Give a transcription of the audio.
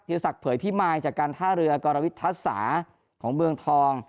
ที่สักเผยพี่ไมค์จากการท่าเรือการวิทธศาสตร์ของเมืองทอง